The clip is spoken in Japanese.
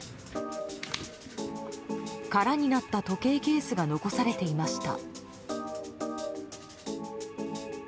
空になった時計ケースが残されていました。